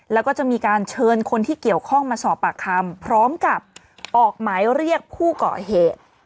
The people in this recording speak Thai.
แล้วก็จะมีการเชิญคนที่เกี่ยวข้องมาสอบปากคำพร้อมกับออกหมายเรียกผู้เกาะเหตุ